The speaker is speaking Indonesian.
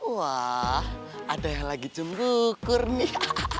wah ada yang lagi cemburu kur nih